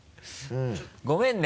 ごめんね！